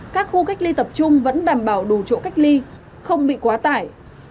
các khu cách ly tập trung vẫn đảm bảo đủ chỗ cách ly không bị quá tải